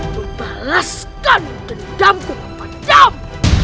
membalaskan dendamku kepada aku